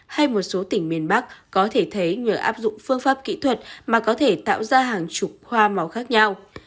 hay một số tỉnh miền bắc có thể thấy nhờ áp dụng phương pháp kỹ thuật mà có thể tạo ra hàng chục hoa màu khác nhau